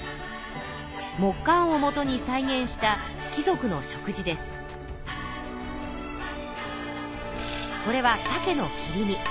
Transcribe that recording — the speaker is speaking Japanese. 木簡をもとに再現したこれはさけの切り身。